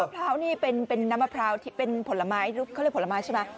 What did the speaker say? หรอน้ำมะพร้าวนี่เป็นผลไม้เขาเรียกผลไม้ใช่ไหม